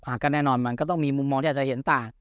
ชัยชนะนะครับอ่าก็แน่นอนมันก็ต้องมีมุมมองที่อาจจะเห็นต่าง